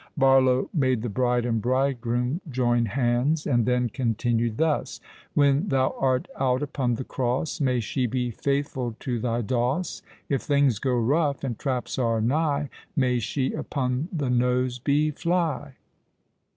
Barlow made the bride and bridegroom join hands, and then continued thus:— "When thou art out upon the cross, May she be faithful to thy doss. If things go rough, and traps are nigh, May she upon the nose be fly."